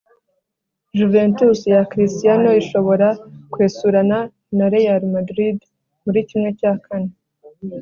Juventus ya cristiano ishobora kwesurana na real Madrid muri kimwe cya kane